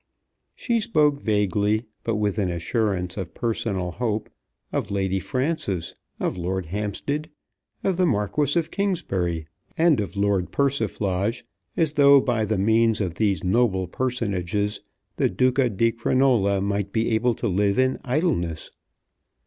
She spoke vaguely, but with an assurance of personal hope, of Lady Frances, of Lord Hampstead, of the Marquis of Kingsbury, and of Lord Persiflage, as though by the means of these noble personages the Duca di Crinola might be able to live in idleness.